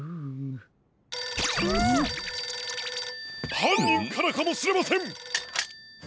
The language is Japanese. ☎はんにんからかもしれません！